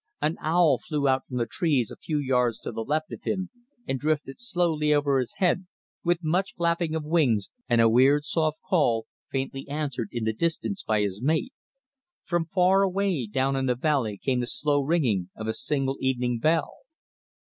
An owl flew out from the trees a few yards to the left of him, and drifted slowly over his head, with much flapping of wings, and a weird, soft call, faintly answered in the distance by his mate; from far away down in the valley came the slow ringing of a single evening bell.